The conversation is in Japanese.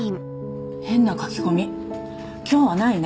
変な書き込み今日はないね。